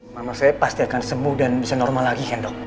mama saya pasti akan sembuh dan bisa normal lagi ya dok